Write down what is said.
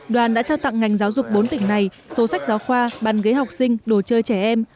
đoàn đã trao tặng ngành giáo dục bốn tỉnh này số sách giáo khoa bàn ghế học sinh đồ chơi trẻ em